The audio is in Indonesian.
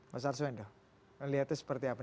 mas arswendo lihat itu seperti apa